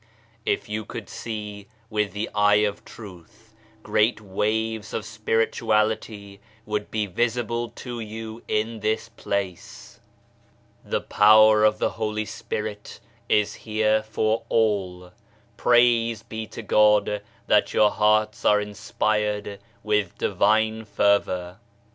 If you could see with the eye of Truth, great waves of spirituality would be visible to you in this place. The Power of 76 " V ALLIANCE SPIRITUALISTE " the Holy Spirit is here for all. Praise be to God that your hearts are inspired with Divine fervour